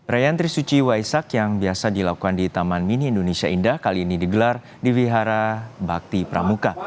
raya trisuci waisak yang biasa dilakukan di taman mini indonesia indah kali ini digelar di wihara bakti pramuka